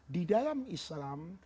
di dalam islam